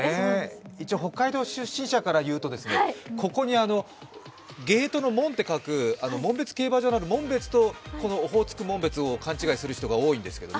一応北海道出身者から言うと、このゲートの紋別競馬場の紋別とオホーツク・紋別を勘違いする人が多いんですよね。